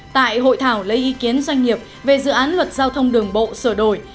tại hội thảo lấy ý kiến doanh nghiệp về dự án luật giao thông đường bộ sửa đổi